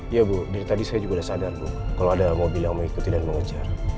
iya bu dari tadi saya juga udah sadar bu kalau ada mobil yang mengikuti dan mengejar